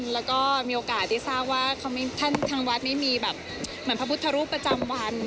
แล้วก็มีโอกาสที่ทราบว่าทั้งวัดไม่มีประพุทธรูประจำวัน